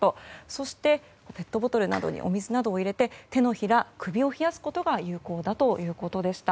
そして、ペットボトルなどにお水などを入れて手のひら、首を冷やすことが有効だということでした。